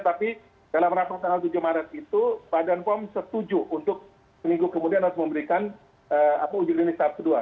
tapi dalam rapat tanggal tujuh maret itu badan pom setuju untuk seminggu kemudian harus memberikan uji klinis tahap kedua